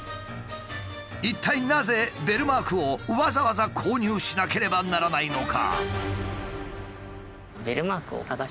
一体なぜベルマークをわざわざ購入しなければならないのか？